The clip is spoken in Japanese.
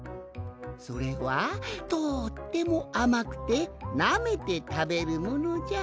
それはとってもあまくてなめてたべるものじゃ。